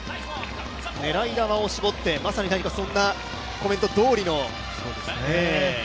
狙い球を絞って、まさに何かそんなコメントどおりですね。